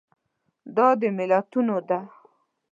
دا د ملتونو ده.